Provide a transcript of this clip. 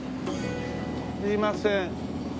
すいません。